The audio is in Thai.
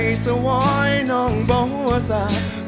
สิบสี่ห้างหรือเศร้าสี่ห้างสี่จับมือกันอย่างว่าสันวา